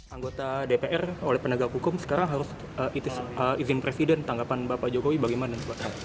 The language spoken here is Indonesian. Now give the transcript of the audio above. anggota dpr oleh penegak hukum sekarang harus izin presiden tanggapan bapak jokowi bagaimana